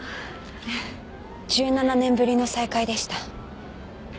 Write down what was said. １７年ぶりの再会でした。